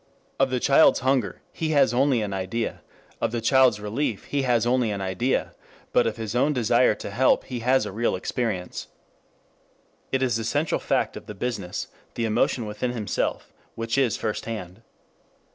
Of the child's hunger he has only an idea, of the child's relief he has only an idea, but of his own desire to help he has a real experience. It is the central fact of the business, the emotion within himself, which is first hand.